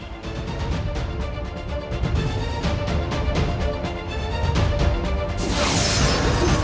untuk menyerang pajajaran